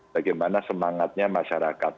bagaimana semangatnya masyarakat